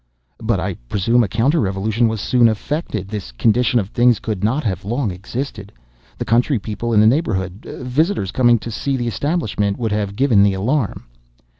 "But I presume a counter revolution was soon effected. This condition of things could not have long existed. The country people in the neighborhood—visitors coming to see the establishment—would have given the alarm."